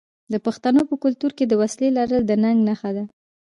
د پښتنو په کلتور کې د وسلې لرل د ننګ نښه ده.